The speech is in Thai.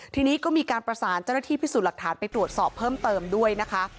ทีนี้ก็มีการประสานเจ้าหน้าที่พิสูจน์หลักฐานไปตรวจสอบเพิ่มเติมด้วยนะคะ